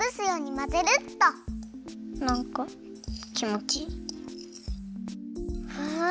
なんかきもちいい。